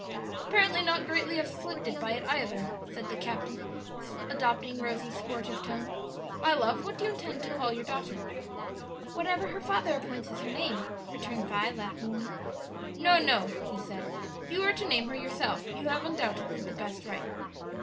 "Apparently not greatly afflicted by it either," said the captain, adopting Rosie's sportive tone. "My love, what do you intend to call your daughter?" "Whatever her father appoints as her name," returned Vi, laughingly. "No, no," he said; "you are to name her yourself; you have undoubtedly the best right."